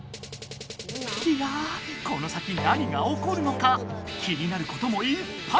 いやこの先何がおこるのか気になることもいっぱい！